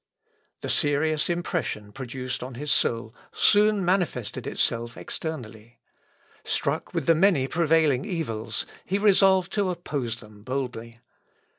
The serious impression produced on his soul soon manifested itself externally. Struck with the many prevailing evils, he resolved to oppose them boldly.